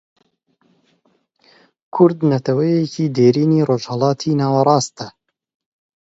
کورد نەتەوەیەکی دێرینی ڕۆژهەڵاتی ناوەڕاستە